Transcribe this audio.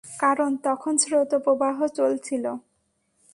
কারণ, তখন শৈত্যপ্রবাহ চলছিল।